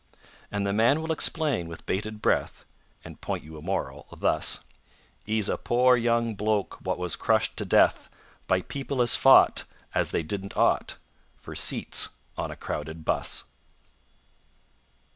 And the man will explain with bated breath (And point you a moral) thus: "'E's a pore young bloke wot wos crushed to death By people as fought As they didn't ought For seats on a crowded bus."